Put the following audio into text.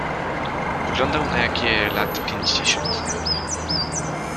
"Wyglądał na jakie lat pięćdziesiąt."